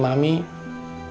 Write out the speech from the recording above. mami akan meninggalkan mami